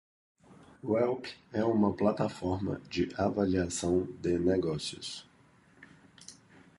Yelp é uma plataforma de avaliação de negócios.